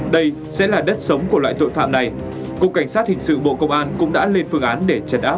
đây sẽ là đất sống của loại tội phạm này cục cảnh sát hình sự bộ công an cũng đã lên phương án để chấn áp